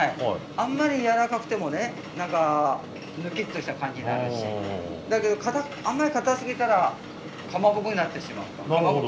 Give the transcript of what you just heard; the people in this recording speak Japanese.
あんまり柔らかくてもね何かヌキっとした感じになるしだけどあんまりかたすぎたらかまぼこになってしまうと。